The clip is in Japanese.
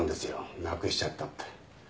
なくしちゃったって。